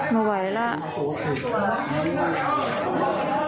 ไม่ไหวแล้ว